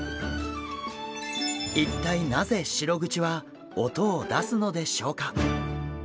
一体なぜシログチは音を出すのでしょうか。